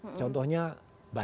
karena kota itu tidak punya air baku